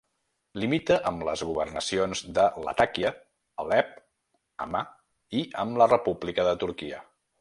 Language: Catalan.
Limita amb les governacions de Latakia, Alep, Hama, i amb la República de Turquia.